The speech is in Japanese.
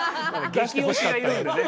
激推しがいるんでね。